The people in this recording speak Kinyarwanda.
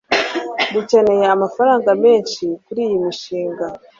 dukeneye amafaranga menshi kuriyi mushinga